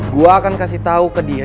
gue akan kasih tahu ke dia